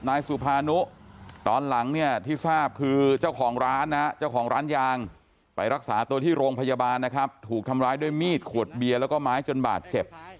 นายสุภานุตอนหลังเนี่ยที่ทราบคือเจ้าของร้านนะเจ้าของร้านยางไปรักษาตัวที่โรงพยาบาลนะครับถูกทำร้ายด้วยมีดขวดเบียร์แล้วก็ไม้จนบาดเจ็บ